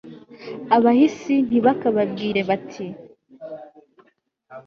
abahisi ntibakababwire bati